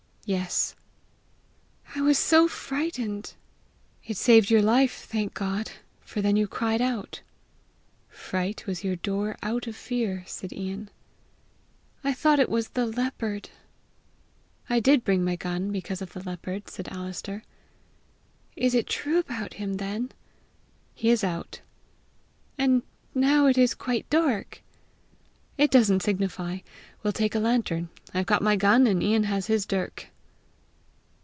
"Yes." "I was so frightened!" "It saved your life, thank God! for then you cried out." "Fright was your door out of fear!" said Ian. "I thought it was the leopard!" "I did bring my gun because of the leopard," said Alister. "It was true about him then?" "He is out." "And now it is quite dark!" "It doesn't signify; we'll take a lantern; I've got my gun, and Ian has his dirk!"